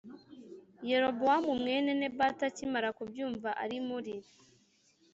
Yerobowamu e mwene nebati akimara kubyumva ari muri